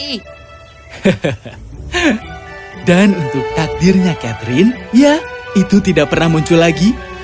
hehehe dan untuk takdirnya catherine ya itu tidak pernah muncul lagi